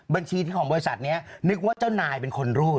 บัญชีของบริษัทนี้นึกว่าเจ้านายเป็นคนรูป